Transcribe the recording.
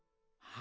は